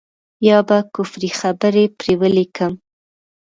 يا به کفري خبرې پرې وليکم.